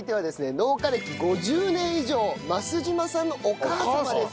農家歴５０年以上増島さんのお母様です。